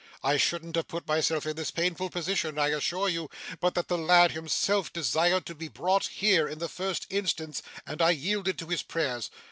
I shouldn't have put myself in this painful position, I assure you, but that the lad himself desired to be brought here in the first instance, and I yielded to his prayers.